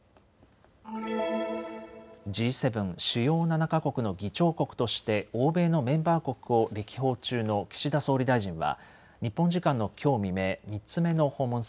Ｇ７・主要７か国の議長国として欧米のメンバー国を歴訪中の岸田総理大臣は日本時間のきょう未明、３つ目の訪問先